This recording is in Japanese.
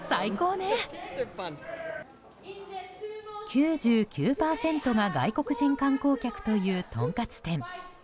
９９％が外国人観光客というとんかつ店。